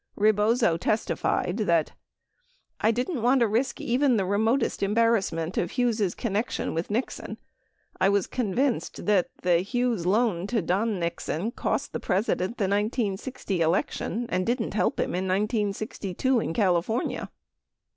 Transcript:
Rebozo testified that :I didn't want to risk even the remotest embarrass ment of Hughes' connection with Nixon. I was convinced that (the Hughes loan to Don Nixon) cost the President the 1960 election and didn't help him in 1962 in California .